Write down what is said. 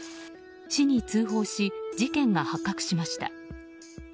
市に通報し事件が発覚しました。